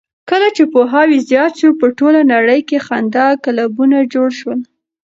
کله چې پوهاوی زیات شو، په ټوله نړۍ کې خندا کلبونه جوړ شول.